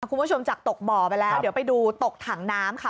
คุณผู้ชมจากตกบ่อไปแล้วเดี๋ยวไปดูตกถังน้ำค่ะ